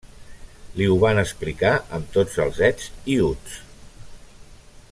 Li ho van explicar amb tots els ets i uts.